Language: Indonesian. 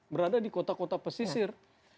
berada di kota kota pesisir